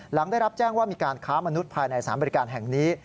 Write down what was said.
หลังได้รับแจ้งว่ามีการค้ามนุษย์ภายในสารบริการแห่งนี้